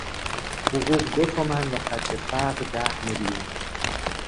حقوق دو تومن و خط فقر ده میلیون